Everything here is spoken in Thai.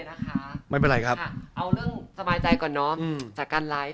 นะคะไม่เป็นไรครับค่ะเอาเรื่องสมาใจก่อนเนอะอืมจากการไลฟ์